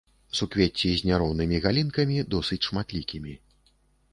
Суквецці з няроўнымі галінкамі, досыць шматлікімі.